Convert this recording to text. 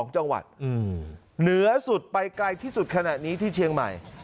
๒จังหวัดเหนือสุดไปไกลที่สุดขณะนี้ที่เชียงใหม่